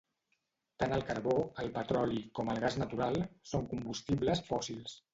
Tant el carbó, el petroli com el gas natural són combustibles fòssils.